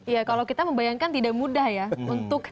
iya kalau kita membayangkan tidak mudah ya untuk memaafkan itu semua